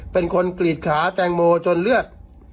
เป็นคนกรีดขาแตงโมจนเลือด